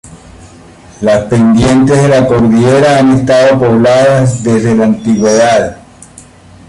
Las pendientes de la cordillera han estado pobladas desde la antigüedad.